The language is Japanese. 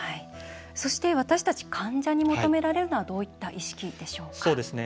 そして、私たち患者に求められるのはどういった意識でしょうか？